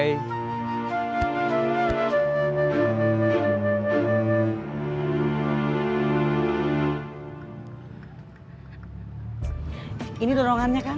ini dorongannya kan